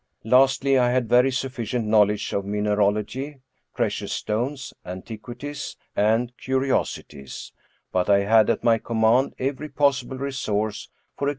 Lastly, I had a very sufficient knowledge of mineralogy, precious stones, antiquities, and curiosities ; but I had at my command every possible resource for ac 220 Af